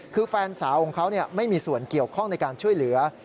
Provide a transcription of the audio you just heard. คือแฟนสาวของเขาไม่มีส่วนเกี่ยวข้องในการช่วยเหลือ